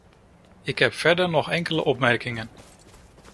Ik heb verder nog enkele opmerkingen.